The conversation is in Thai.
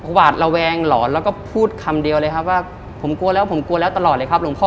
หวาดระแวงหลอนแล้วก็พูดคำเดียวเลยครับว่าผมกลัวแล้วผมกลัวแล้วตลอดเลยครับหลวงพ่อ